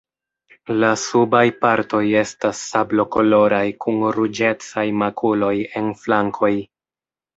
La subaj partoj estas sablokoloraj kun ruĝecaj makuloj en flankoj.